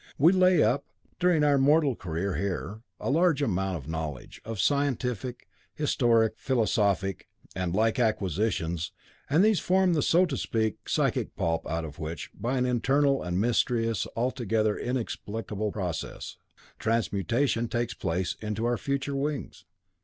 We lay up, during our mortal career here, a large amount of knowledge, of scientific, historical, philosophic, and like acquisitions, and these form the so to speak psychic pulp out of which, by an internal and mysterious and altogether inexplicable process, the transmutation takes place into our future wings.